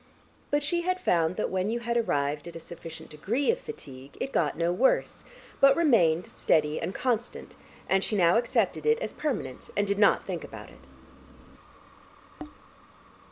But she had found that when you had arrived at a sufficient degree of fatigue, it got no worse, but remained steady and constant, and she now accepted it as permanent, and did not think about it.